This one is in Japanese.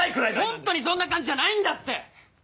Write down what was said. ホントにそんな感じじゃないんだって！